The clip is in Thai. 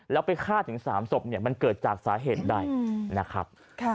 แล้วไปฆ่าถึง๓ศพเนี่ยมันเกิดจากสาเหตุใดนะครับ